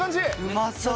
うまそう。